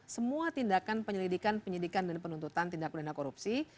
semua tindakan penyelidikan penyelidikan dan penuntutan tindak undang undang korupsi